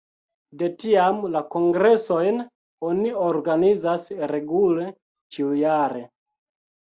De tiam la kongresojn oni organizas regule ĉiujare.